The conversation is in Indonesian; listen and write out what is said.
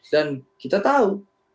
dan kita tahu